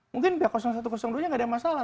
mungkin pihak satu dua nya tidak ada masalah